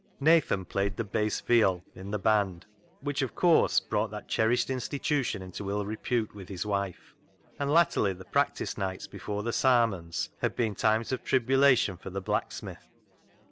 Nathan played the bass viol in the band, which, of course, brought that cherished in stitution into ill repute with his wife, and latterly the practice nights before the " Sar mons " had been times of tribulation for the blacksmith.